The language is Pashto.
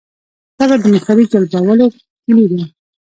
صبر د مشتری جلبولو کیلي ده.